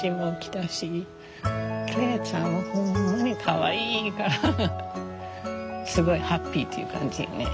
來愛ちゃんはほんまにかわいいからすごいハッピーっていう感じよね。